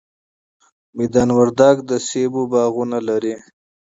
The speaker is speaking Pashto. میدان وردګ د مڼو باغونه لري